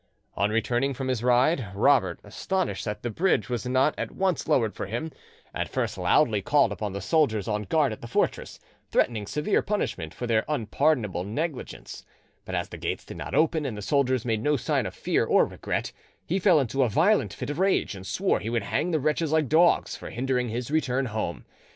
On returning from his ride, Robert, astonished that the bridge was not at once lowered for him, at first loudly called upon the soldiers on guard at the fortress, threatening severe punishment for their unpardonable negligence; but as the gates did not open and the soldiers made no sign of fear or regret, he fell into a violent fit of rage, and swore he would hang the wretches like dogs for hindering his return home.